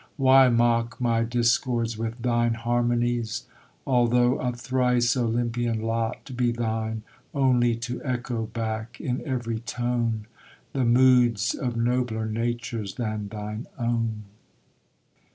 Why mock my discords with thine harmonies? Although a thrice Olympian lot be thine, Only to echo back in every tone The moods of nobler natures than thine own.'